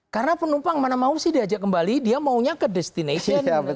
karena penumpang mana mau sih diajak kembali dia maunya ke destination